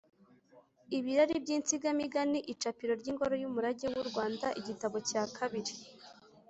ibirari by’Insigamigani, Icapiro ry’Ingoro y’Umurage w’u Rwanda, Igitabo cya kabiri,